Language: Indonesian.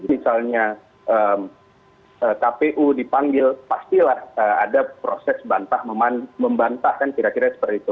misalnya kpu dipanggil pastilah ada proses bantah membantah kan kira kira seperti itu